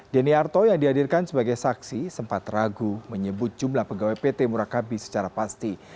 denny arto yang dihadirkan sebagai saksi sempat ragu menyebut jumlah pegawai pt murakabi secara pasti